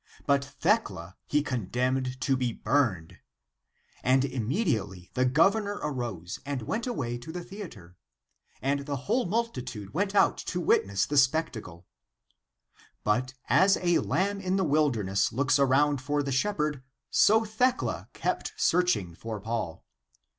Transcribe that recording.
But Thecla he condemned to be burned. And im mediately the governor arose and went away to the theatre. And the whole multitude went out to wit ness the spectacle. But as a lamb in the wilderness looks around for the shepherd, so Thecla kept searching for Paul.